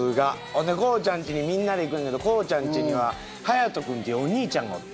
ほんでコウちゃんちにみんなで行くんだけどコウちゃんちにはハヤト君っていうお兄ちゃんがおってん。